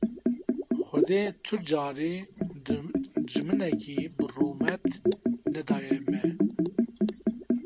Xwedê tu carî dijminekî bi rûmet nedaye me